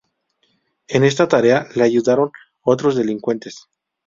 En esta tarea, le ayudaran otros delincuentes.